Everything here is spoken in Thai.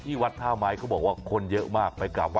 ที่วัดท่าไม้เขาบอกผู้คนเยอะมาก